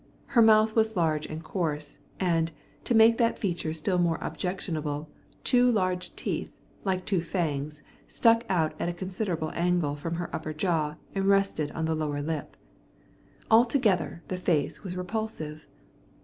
Her mouth was large and coarse, and, to make that feature still more objectionable, two large teeth, like two fangs, stuck out at a considerable angle from her upper jaw and rested on the lower lip. Altogether the face was repulsive.